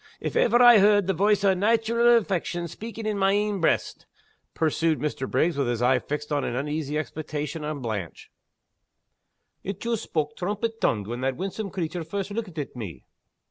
If ever I heard the voice o' naitural affection speaking in my ain breast," pursued Mr. Bishopriggs, with his eye fixed in uneasy expectation on Blanche, "it joost spak' trumpet tongued when that winsome creature first lookit at me.